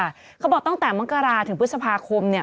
แล้วก็บอกตั้งแต่มังการาถึงพฤษภาคมเนี่ย